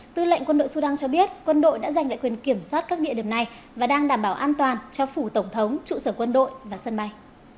tư lệnh quân đội sudan cho biết quân đội đã giành lại quyền kiểm soát các địa điểm này và đang đảm bảo an toàn cho phủ tổng thống trụ sở quân đội và sân bay